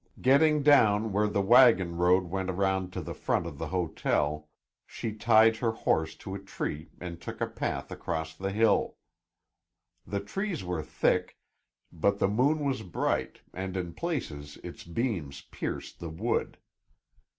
Getting down where the wagon road went round to the front of the hotel, she tied her horse to a tree and took a path across the hill. The trees were thick, but the moon was bright and in places its beams pierced the wood.